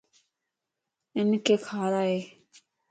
ھنک کارائي